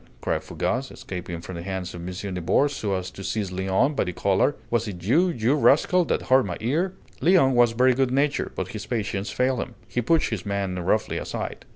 cried Fougas, escaping from the hands of M. Nibor so as to seize Léon by the collar, "was it you, you rascal, that hurt my ear?" Léon was very good natured, but his patience failed him. He pushed his man roughly aside.